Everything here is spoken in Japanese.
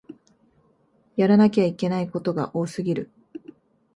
やらなきゃいけないことが多すぎる